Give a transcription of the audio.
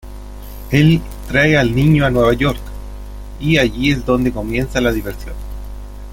Él trae al niño a Nueva York, y allí es donde comienza la diversión.